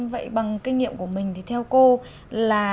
vậy bằng kinh nghiệm của mình thì theo cô là